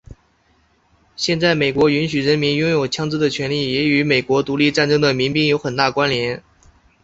现在美国允许人民拥有枪枝的权利也与美国独立战争的民兵有很大关联。